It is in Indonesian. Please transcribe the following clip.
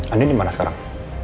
andin dimana sekarang